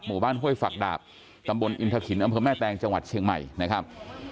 หมู่บ้านห้วยฝักดาบตำบลอินทะขินอำเภอแม่แตงจังหวัดเชียงใหม่นะครับ